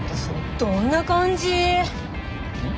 どんな感じっ！？